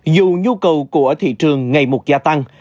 dù nhu cầu của thị trường ngày một gia tăng